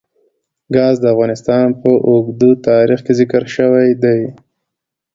ګاز د افغانستان په اوږده تاریخ کې ذکر شوی دی.